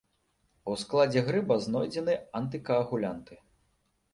У складзе грыба знойдзены антыкаагулянты.